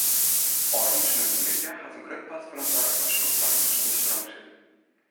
Ofrûne sneontemiddei hat in grut part fan it doarp in skoftlang sonder stroom sitten.